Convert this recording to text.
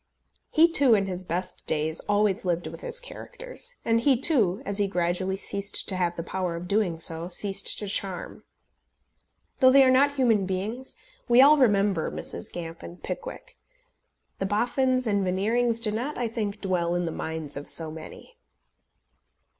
He, too, in his best days, always lived with his characters; and he, too, as he gradually ceased to have the power of doing so, ceased to charm. Though they are not human beings, we all remember Mrs. Gamp and Pickwick. The Boffins and Veneerings do not, I think, dwell in the minds of so many.